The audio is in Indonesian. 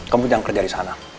kamu jangan kerja disana